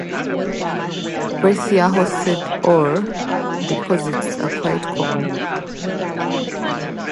Breccia-hosted ore deposits are quite common.